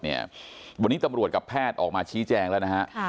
วันนี้ตำรวจกับแพทย์ออกมาชี้แจงแล้วนะฮะ